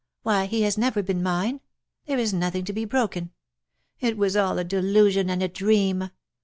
Why he has never been mine. There is nothing to be broken. It was all a delusion and a dream.